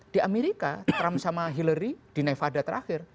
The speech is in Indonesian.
di amerika trump sama hillary di nevada terakhir